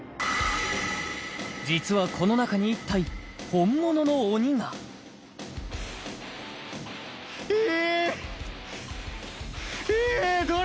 実はこの中に１体本物の鬼がえーえーどれ？